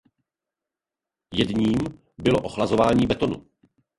Jedním bylo ochlazování betonu.